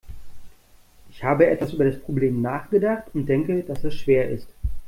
Ich habe etwas über das Problem nachgedacht und denke, dass es schwer ist.